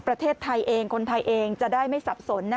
ประเทศไทยเองคนไทยเองจะได้ไม่สับสน